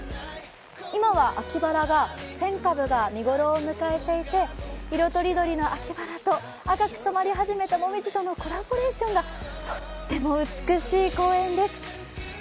今は秋バラ１０００株が見頃を迎えていて、色とりどりの秋バラと赤く染まり始めたもみじとのコラボレーションがとっても美しい公園です。